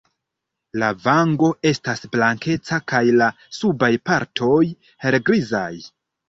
La vango estas blankeca kaj la subaj partoj helgrizaj.